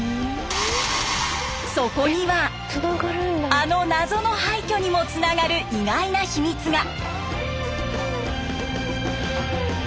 そこにはあの謎の廃虚にもつながる意外な秘密が。